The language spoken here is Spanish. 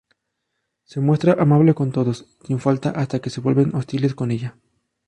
Se muestra amable con todos, sin falta hasta que se vuelven hostiles con ella.